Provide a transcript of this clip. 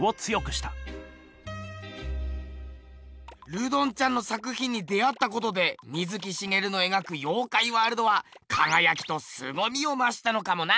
ルドンちゃんの作ひんに出会ったことで水木しげるの描く妖怪ワールドはかがやきとすごみをましたのかもな。